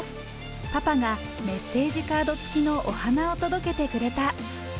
パパがメッセージカード付きのお花を届けてくれた。